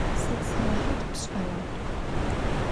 Sıd senehat pş'era?